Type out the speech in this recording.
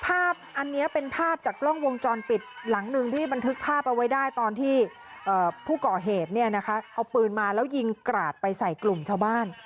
ภาพอันนี้เป็นภาพจากกล้องวงจรปิดหลังหนึ่งที่บันทึกภาพเอาไว้ได้ตอนที่ผู้ก่อเหตุเนี่ยนะคะเอาปืนมาแล้วยิงกราดไปใส่กลุ่มชาวบ้าน